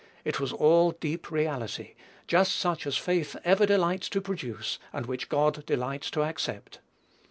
It was all deep reality, just such as faith ever delights to produce, and which God delights to accept.